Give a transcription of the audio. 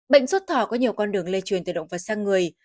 bệnh rút thỏ có nhiều con đường lây truyền từ động vật sang người